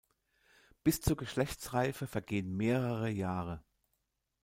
Bis zur Geschlechtsreife vergehen mehrere Jahre.